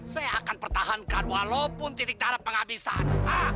saya akan pertahankan walaupun titik cara penghabisan